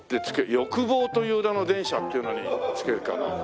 「欲望という名の電車」っていうのにつけるかな。